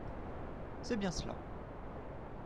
C’est bien cela.